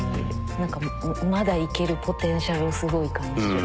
何かまだいけるポテンシャルすごい感じる。